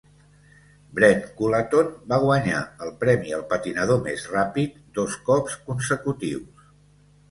Brent Cullaton va guanyar el premi al patinador més ràpid dos cops consecutius.